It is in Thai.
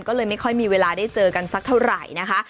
ก็เลยไม่ค่อยมีเวลาได้เจอกันสักเท่าไหร่นะคะ